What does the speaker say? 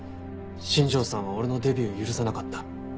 新庄さんは俺のデビューを許さなかった。